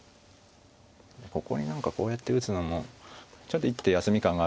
ここに何かこうやって打つのもちょっと一手休み感があるんで。